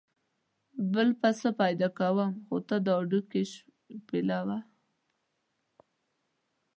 بل پسه پیدا کوم خو ته دا هډوکي شپېلوه.